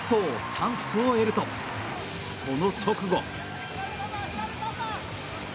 チャンスを得るとその直後。